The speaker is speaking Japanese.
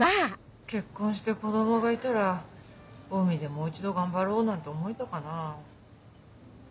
結婚して子供がいたらオウミでもう一度頑張ろうなんて思えたかな。